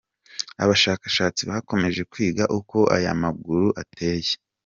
Abashakashatsi bakomeje kwiga uko aya maguru ateye.